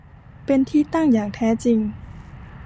เป็นที่ตั้งอย่างแท้จริง